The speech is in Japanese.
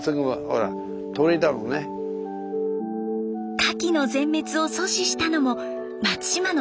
カキの全滅を阻止したのも松島の地形でした。